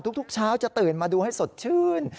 ทุกเช้าจะตื่นมาดูให้สดชื่น